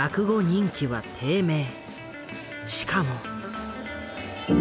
しかも。